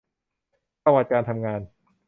ประวัติการทำงาน